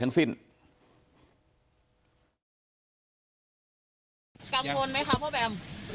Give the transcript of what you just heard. กังวลไหมคะพ่อแบม